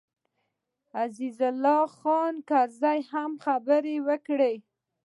عزیز الله خان کرزي هم خبرې وکړې.